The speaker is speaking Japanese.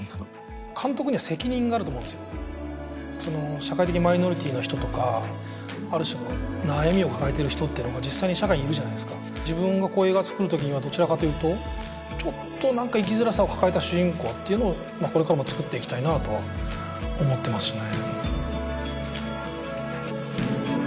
監督には責任があると思うんですよ社会的マイノリティーの人とかある種の悩みを抱えている人っていうのが実際に社会にいるじゃないですか自分がこういう映画を作るときにはどちらかというとちょっとなんか生きづらさを抱えた主人公っていうのをこれからも作っていきたいなとは思ってますね